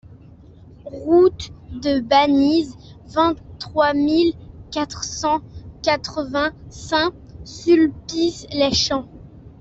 Route de Banize, vingt-trois mille quatre cent quatre-vingts Saint-Sulpice-les-Champs